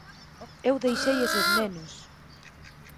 Eu deixei eses nenos!